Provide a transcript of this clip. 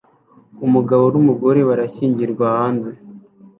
Umugabo n'umugore barashyingirwa hanze